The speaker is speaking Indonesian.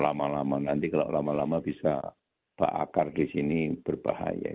lama lama nanti kalau lama lama bisa bakar di sini berbahaya